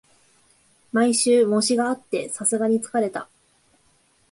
毎週、模試があってさすがに疲れた